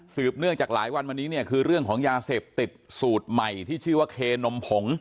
เนื่องจากหลายวันวันนี้เนี่ยคือเรื่องของยาเสพติดสูตรใหม่ที่ชื่อว่าเคนมผง